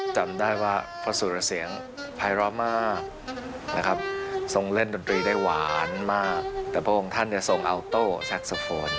จำได้ว่าพระสุรเสียงพายร้อมมากส่งเล่นนตรีได้หวานมากแต่พระองค์ท่านส่งอาโต้แซ็กซาโฟน